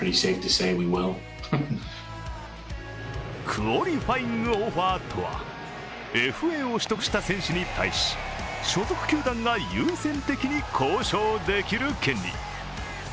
クオリファイング・オフォーとは、ＦＡを取得した選手に対し所属球団が優先的に交渉できる権利。